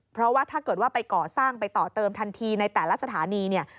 เพราะว่าถ้าเกิดว่าไปก่อสร้างไปต่อเติมทันทีในแต่ละสถานีเนี่ย